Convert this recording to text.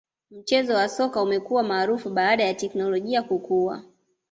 mchezo wa soka umekua maarufi baada ya teknolojia kukua